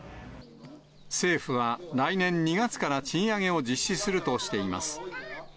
政府は来年２月から賃上げを実施するとしています。